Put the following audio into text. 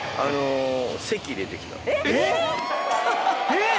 えっ！？